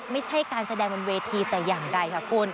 ไม่ใช่การแสดงบนเวทีแต่อย่างใดค่ะคุณ